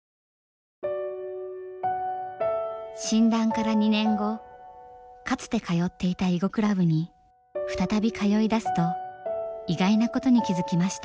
診断から２年後かつて通っていた囲碁クラブに再び通いだすと意外なことに気付きました。